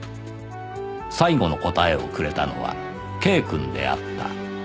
最後の答えをくれたのは Ｋ くんであった